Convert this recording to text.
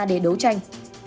để đấu tranh